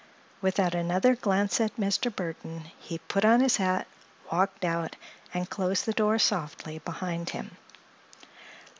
Without another glance at Mr. Burthon he put on his hat, walked out and closed the door softly behind him.